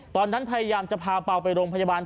ตอนนั้นพยายามจะพาเป่าไปโรงพยาบาล